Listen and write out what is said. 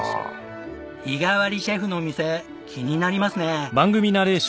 日替わりシェフの店気になりますね。